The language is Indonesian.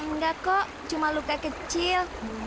enggak kok cuma luka kecil